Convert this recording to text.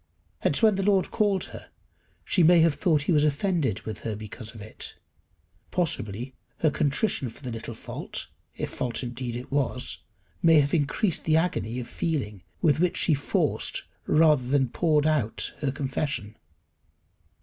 Hence when the Lord called her she may have thought he was offended with her because of it. Possibly her contrition for the little fault, if fault indeed it was, may have increased the agony of feeling with which she forced rather than poured out her confession.